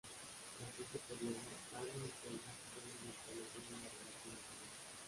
Tras este periodo, Amy y Sheldon vuelven a establecer una relación de noviazgo.